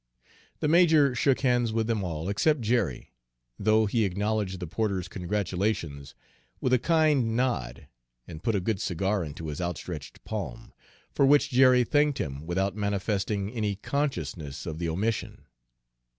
The major shook hands with them all except Jerry, though he acknowledged the porter's congratulations with a kind nod and put a good cigar into his outstretched palm, for which Jerry thanked him without manifesting any consciousness of the omission.